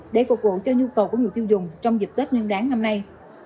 để phục vụ cho nhu cầu của người tiêu dùng trong dịp tết nguyên đáng năm nay